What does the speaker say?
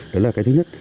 đấy là cái thứ nhất